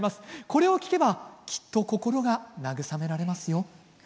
これを聴けばきっと心が慰められますよ。